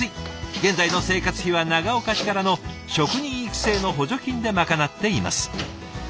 現在の生活費は長岡市からの職人育成の補助金でまかなっています。